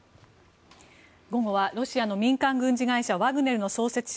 午後はロシアの民間軍事会社ワグネルの創設者